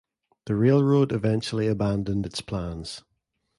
The railroad eventually abandoned its plans.